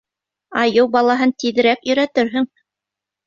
Айыу балаһын тиҙерәк өйрәтерһең!